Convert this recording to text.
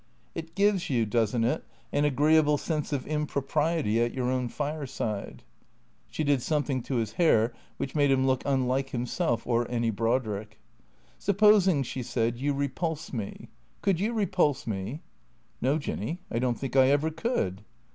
" It gives you, does n't it, an agreeable sense of impropriety at your own fireside ?" She did something to his hair which made him look unlike himself or any Brodrick. " Supposing," she said, " vou repulse me ? Could you repulse me?" " No, Jinny ; I don't think I ever could."